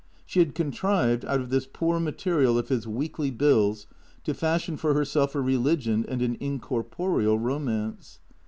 She had contrived, out of this poor material of his weekly bills, to fashion for herself a religion and an incorporeal romance.